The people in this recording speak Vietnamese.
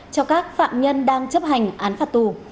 cho các phạm nhân đang chấp hành án phạt tù